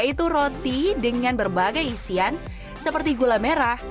kami selalu mengeluarkan roti berharga lebih tinggi